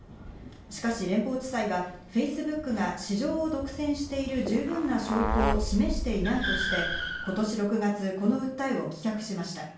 しかし連邦地裁はＦａｃｅｂｏｏｋが市場を独占している十分な証拠を示していないとして、今年６月、この訴えを棄却しました。